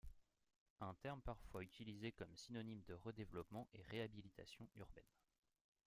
Un terme parfois utilisé comme synonyme de redéveloppement est réhabilitation urbaine.